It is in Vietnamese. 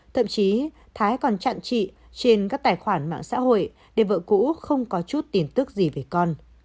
thậm chí thái còn chặn chị trên các tài khoản mạng xã hội để vợ cũ không có chút tiền tức gì về con